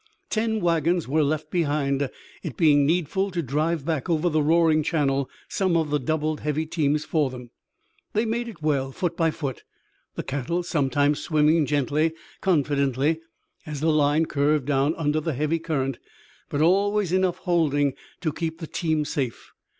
Ten wagons were left behind, it being needful to drive back, over the roaring channel, some of the doubled heavy teams for them. They made it well, foot by foot, the cattle sometimes swimming gently, confidently, as the line curved down under the heavy current, but always enough holding to keep the team safe.